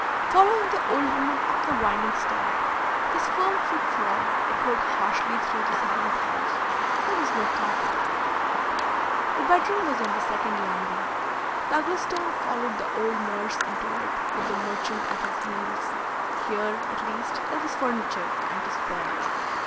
Following the old woman up the winding stair, his firm footfall echoed harshly through the silent house. There was no carpet. The bedroom was on the second landing. Douglas Stone followed the old nurse into it, with the merchant at his heels. Here, at least, there was furniture and to spare.